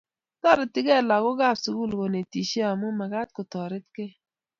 Toretigei lagookab sugul konetishie, amu magaat kotoretkei